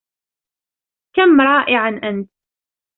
كم رائع أنتَ!